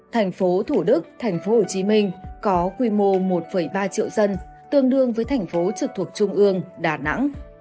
thành phố thủ đức thành phố hồ chí minh có quy mô một ba triệu dân tương đương với thành phố trực thuộc trung ương đà nẵng